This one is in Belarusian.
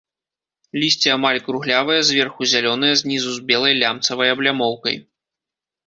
Лісце амаль круглявае, зверху зялёнае, знізу з белай лямцавай аблямоўкай.